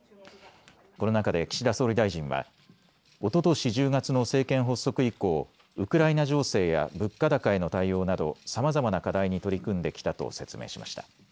この中で岸田総理大臣はおととし１０月の政権発足以降、ウクライナ情勢や物価高への対応などさまざまな課題に取り組んできたと説明しました。